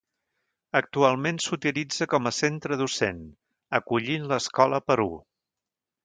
Actualment s'utilitza com a centre docent, acollint l'Escola Perú.